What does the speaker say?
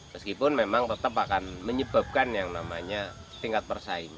meskipun memang tetap akan menyebabkan yang namanya tingkat persaingan